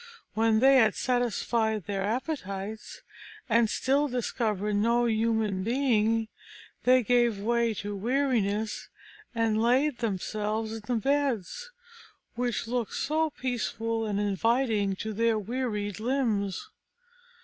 When they had satisfied their appetites, and still discovered no human being, they gave way to weariness, and laid themselves in the beds, which looked so peaceful and inviting to their wearied limbs.